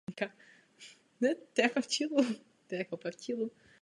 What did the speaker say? Největším českým hudebním muzeem je České muzeum hudby.